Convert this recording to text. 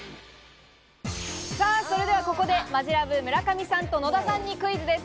さぁ、それではここでマヂラブ・村上さんと野田さんにクイズです。